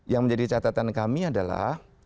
yang menjadi catatan kami adalah